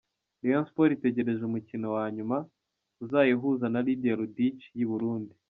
Rayon Sports itegereje umukino wa nyuma uzayihuza na Lydia Ludic y’i Burundi.